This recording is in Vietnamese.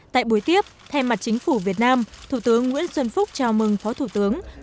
tại buổi tiếp thay mặt chính phủ việt nam thủ tướng nguyễn xuân phúc chào mừng phó thủ tướng